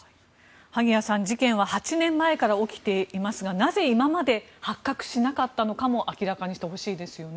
萩谷さん、事件は８年前から起きていますがなぜ今まで発覚しなかったのかも明らかにしてほしいですよね。